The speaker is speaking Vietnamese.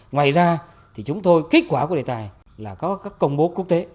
ngoài ra thì chúng tôi kết quả của đề tài là có các công bố quốc tế